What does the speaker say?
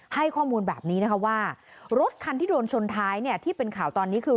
ให้ข้อมูลแบบนี้นะคะว่ารถคันที่โดนชนท้ายเนี่ยที่เป็นข่าวตอนนี้คือ